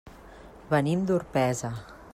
Venim d'Orpesa.